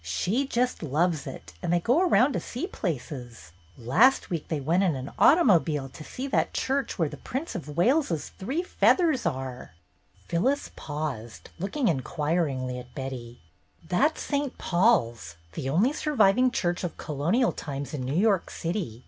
She just loves it, and they go around to see places. Last week they went in an automobile to that church where the Prince of Wales's three feathers are —" Phyllis paused, looking inquiringly at Betty. "That's St. Paul's, the only surviving church of colonial times in New York City.